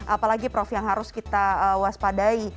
apalagi prof yang harus kita waspadai